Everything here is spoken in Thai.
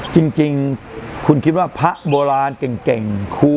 จริงคุณคิดว่าพระโบราณเก่งครู